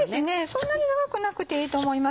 そんなに長くなくていいと思います。